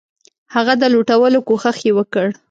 هغه د لوټلو کوښښ یې وکړ.